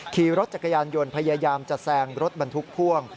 ขี่รถจักรยานยนต์พยายามจะแซงรถบรรทุกพ่วง